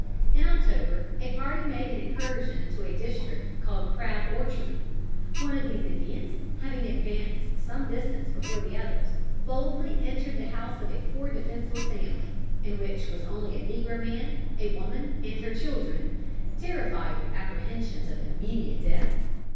In October a party made an incursion into a district called Crab Orchard. One of these Indians having advanced some distance before the others, boldly entered the house of a poor defenseless family, in which was only a negro man, a woman and her children, terrified with apprehensions of immediate death.